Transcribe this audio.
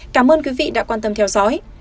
cảm ơn quý vị đã quan tâm theo dõi